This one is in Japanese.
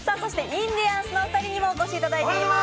インディアンスのお二人にもお越しいただいています。